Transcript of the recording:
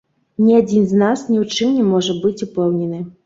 Ні адзін з нас ні ў чым не можа быць упэўнены.